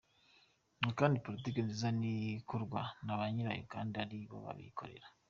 Ngo kandi politiki nziza ni ikorwa na ba nyirayo kandi ari bo bikorera.